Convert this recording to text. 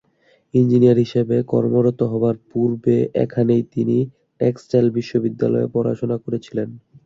Engineer হিসেবে কর্মরত হবার পূর্বে এখানেই তিনি টেক্সটাইল বিশ্ববিদ্যালয়ে পড়াশোনা করেছিলেন।